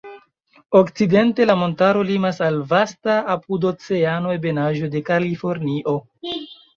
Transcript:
Okcidente la montaro limas al vasta apudoceana ebenaĵo de Kalifornio.